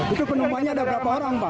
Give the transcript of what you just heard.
itu penumpangnya ada berapa orang pak